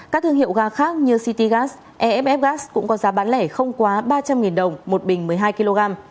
các thương hiệu ga khác như citygas eff gas cũng có giá bán lẻ không quá ba trăm linh đồng một bình một mươi hai kg